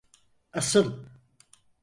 Asıl!